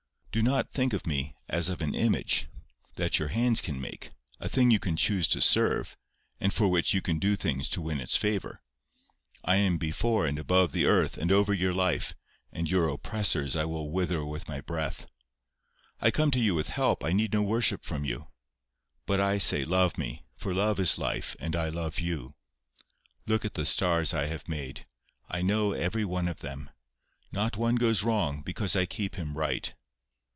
Do not think of me as of an image that your hands can make, a thing you can choose to serve, and for which you can do things to win its favour. I am before and above the earth, and over your life, and your oppressors I will wither with my breath. I come to you with help. I need no worship from you. But I say love me, for love is life, and I love you. Look at the stars I have made. I know every one of them. Not one goes wrong, because I keep him right.